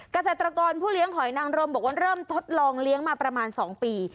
เกษตรกรผู้เลี้ยงหอยนางรมบอกว่าเริ่มทดลองเลี้ยงมาประมาณ๒ปี